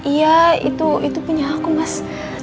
iya itu punya aku mas